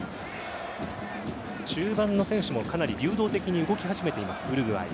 中盤の選手もかなり流動的に動き始めていますウルグアイ。